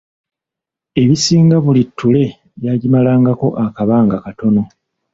Ebisinga buli ttule byagimalangako akabanga katono.